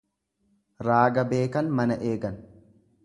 Raaga beekan mana eegan.